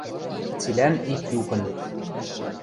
Цилӓн ик юкын: